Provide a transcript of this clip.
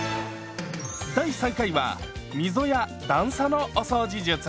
第３回は溝や段差のお掃除術。